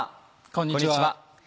こんにちは。